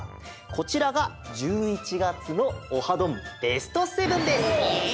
こちらが１１がつの「オハどん！ベスト７」です！